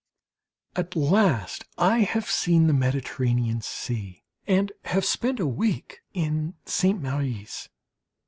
At last I have seen the Mediterranean Sea and have spent a week in Saintes Maries.